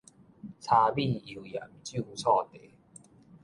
柴米油鹽醬醋茶